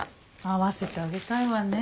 会わせてあげたいわね。